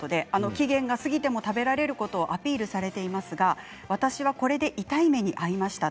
期限が過ぎても食べられることをアピールされていますが私はこれで痛い目に遭いました。